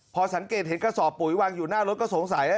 พอสังเกตเห็นกระสอบปุ๋ยวางอยู่หน้ารถก็สงสัยแล้ว